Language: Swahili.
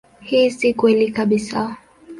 Hii si kweli kabisa.